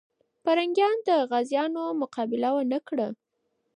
پرنګیان د غازيانو مقابله ونه کړه.